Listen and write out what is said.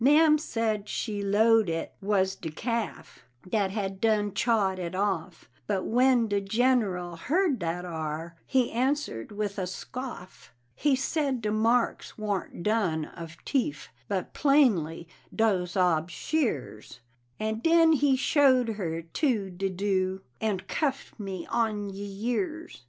Ma'am said she 'lowed it was de calf Dat had done chawed it off; But when de General heard dat ar, He answered with a scoff; He said de marks warn't don' of teef, But plainly dose ob shears; An' den he showed her to de do' And cuffed me on ye years.